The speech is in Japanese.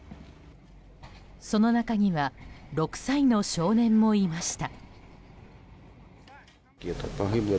その中には６歳の少年もいました。